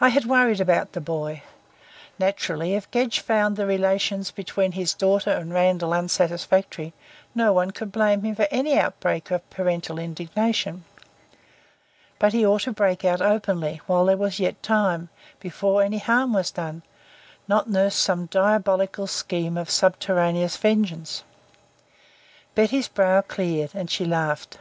I had worried about the boy. Naturally, if Gedge found the relations between his daughter and Randall unsatisfactory, no one could blame him for any outbreak of parental indignation. But he ought to break out openly, while there was yet time before any harm was done not nurse some diabolical scheme of subterraneous vengeance. Betty's brow cleared, and she laughed.